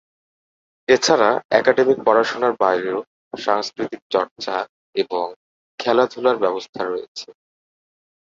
এছাড়া একাডেমিক পড়াশোনার বাইরেও সাংস্কৃতিক চর্চা এবং খেলাধুলার ব্যবস্থা রয়েছে।